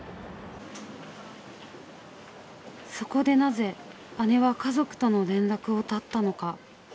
そこでなぜ姉は家族との連絡を絶ったのか。